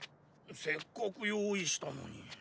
せっかく用意したのに。